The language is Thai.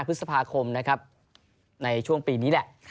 พฤษภาคมนะครับในช่วงปีนี้แหละ